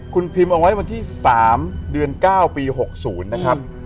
คุณพิมพ์เอาไว้วันที่๓เดือน๙ปี๖๐นะครับ